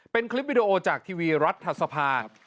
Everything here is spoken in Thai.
เป็นคลิปวิดีโอจากทีวีรัฐศาสตร์ภาคม